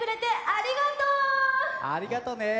ありがとう。